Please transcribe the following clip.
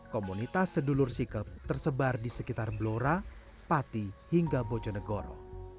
komunitas sedulur sikap tersebar di sekitar blora pati hingga bojonegoro